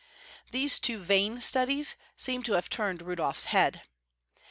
These two vain studies seem to have turned Rudolf's head.